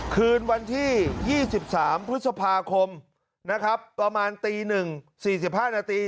คืนวันที่๒๓พฤษภาคมนะครับประมาณตี๑๔๕นาที